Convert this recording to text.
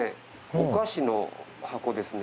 お菓子の箱ですね。